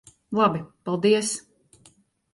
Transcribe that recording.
Labi. Paldies.